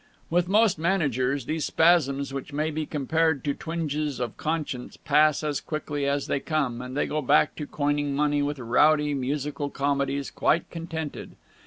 With most managers these spasms, which may be compared to twinges of conscience, pass as quickly as they come, and they go back to coining money with rowdy musical comedies, quite contented.